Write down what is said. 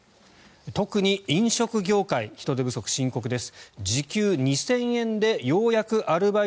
特に飲食業界人手不足、深刻です。